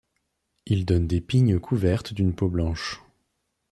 Il donne des pignes couvertes d’une peau blanche.